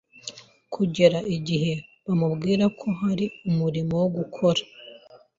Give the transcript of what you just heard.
kugera igihe bamubwira ko hari umurimo wo gukora